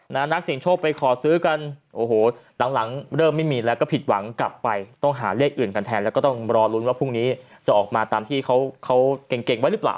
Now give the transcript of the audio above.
นักเสียงโชคไปขอซื้อกันโอ้โหหลังหลังเริ่มไม่มีแล้วก็ผิดหวังกลับไปต้องหาเลขอื่นกันแทนแล้วก็ต้องรอลุ้นว่าพรุ่งนี้จะออกมาตามที่เขาเก่งเก่งไว้หรือเปล่า